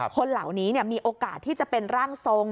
คนเหล่านี้มีโอกาสที่จะเป็นร่างทรง